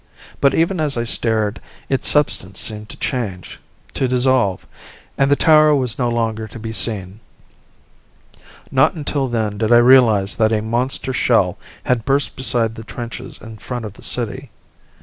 But even as I stared its substance seemed to change, to dissolve, and the tower was no longer to be seen. Not until then did I realize that a monster shell had burst beside the trenches in front of the city.